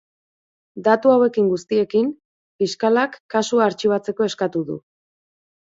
Datu hauekin guztiekin, fiskalak kasua artxibatzeko eskatu du.